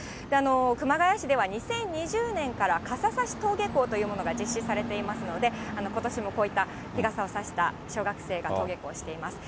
熊谷市では２０２０年から傘さし登下校というものが実施されていますので、ことしもこういった日傘を差した小学生が登下校しています。